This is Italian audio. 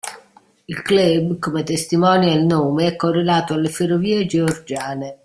Il club, come testimonia il nome, è correlato alle ferrovie georgiane.